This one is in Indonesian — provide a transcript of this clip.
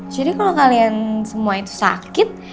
jadi kalo kalian semua itu sakit